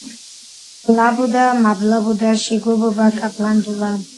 ბლაბუდა, მაბლაბუდა, შიგ ობობა გაბლანდულა